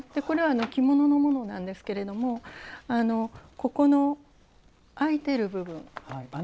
これは着物のものなんですけれどもここの開いてる部分。